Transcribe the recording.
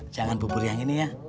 jangan bubur yang ini ya